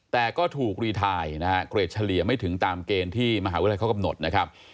แต่ก็ถูกรีไทน์นะฮะเกรดเฉลี่ยไม่ถึงตามเกณฑ์ที่มหาวิทยาลัยเขากำหนดนะครับ